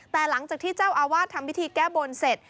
แต่หลังจากที่เจ้าอาวาสทำพิธีแก้บนเสร็จ